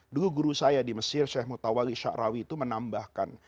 dulu guru saya di mesir syekh mutawali sha'rawi itu menambahkan